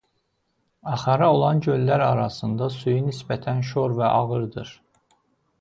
Axarı olan göllər arasında suyu nisbətən şor və ağırdır.